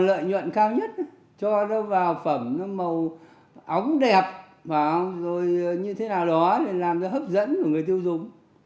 đây là cái trò lợi nhuận cao nhất cho nó vào phẩm màu ống đẹp rồi như thế nào đó làm nó hấp dẫn cho người tiêu dùng